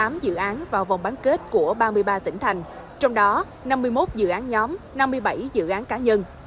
đã chọn ra một trăm linh tám dự án vào vòng bán kết của ba mươi ba tỉnh thành trong đó năm mươi một dự án nhóm năm mươi bảy dự án cá nhân